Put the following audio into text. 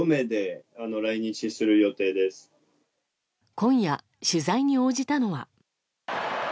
今夜、取材に応じたのは。